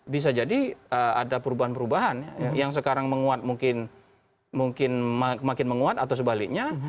bisa jadi ada perubahan perubahan yang sekarang menguat mungkin makin menguat atau sebaliknya